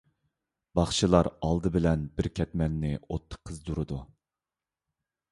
باخشىلار ئالدى بىلەن بىر كەتمەننى ئوتتا قىزدۇرىدۇ.